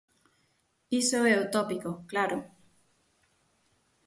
Iso é o tópico, claro.